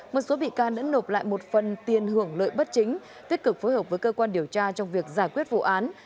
một số bị can đã nộp lại một phần tiền hưởng lợi bất chính tiết cực phối hợp với cơ quan điều tra trong việc giải quyết vụ án